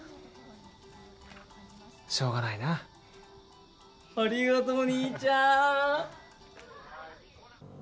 しょうがないなぁ。ありがと兄ちゃん！